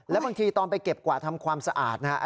แล้วบางทีตอนไปเก็บกว่าทำความสะอาดนะฮะ